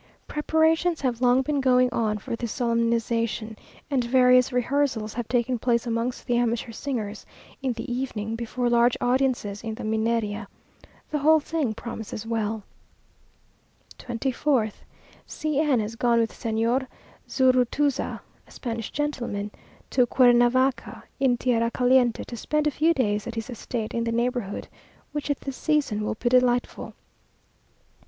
Preparations have long been going on for this solemnization, and various rehearsals have taken place amongst the amateur singers, in the evening, before large audiences in the Mineria. The whole thing promises well. 24th. C n has gone with Señor Zurutuza (a Spanish gentleman), to Cuernavaca, in tierra caliente, to spend a few days at his estate in the neighbourhood; which at this season will be delightful.